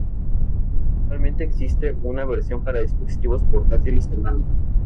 Actualmente existe una versión para dispositivos portátiles con Android.